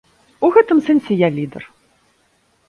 У гэтым сэнсе я лідар.